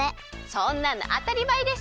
そんなのあたりまえでしょ！